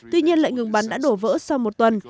tuy nhiên lệnh ngừng bắn đã đổ vỡ sau một tuần